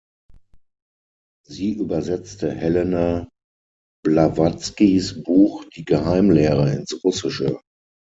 Sie übersetzte Helena Blavatskys Buch "Die Geheimlehre" ins Russische.